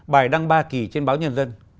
bài đăng ba kỳ trên báo nhân dân